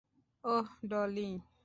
ওহ, Dolly.